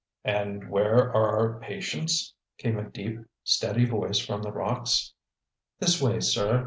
"And where are our patients?" came a deep, steady voice from the rocks. "This way, sir.